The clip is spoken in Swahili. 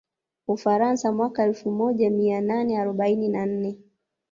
Ufaransa mwaka elfu moja mia nane arobaini na nne